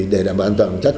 để đảm bảo an toàn chất